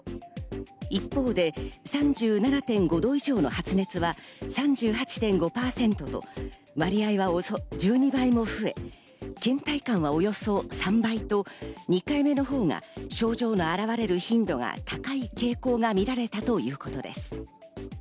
一方で３７．５度以上の発熱は３８．５％と割り合いは１２倍も増え、倦怠感はおよそ３倍と、２回目のほうが症状が現れる頻度が高い傾向が見られたということです。